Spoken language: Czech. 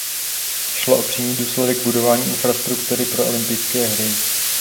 Šlo o přímý důsledek budování infrastruktury pro olympijské hry.